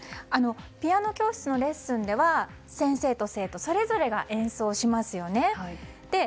ピアノ教室のレッスンでは先生と生徒それぞれが演奏しますよね。